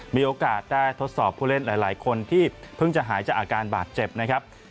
มีโอกาสได้ทดสอบผู้เล่นหลายคนที่เพิ่งจะหายจากอาการบาดเจ็บนะครับ